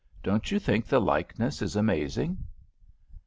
"Don't you think the likeness is amazing?"